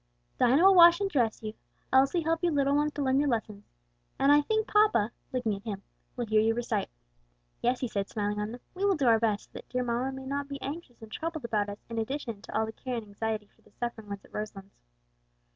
"Dinah will wash and dress you, Elsie help you little ones to learn your lessons, and I think papa," looking at him, "will hear you recite." "Yes," he said, smiling on them, "we will do our best, so that dear mamma may not be anxious and troubled about us in addition to all the care and anxiety for the suffering ones at Roselands."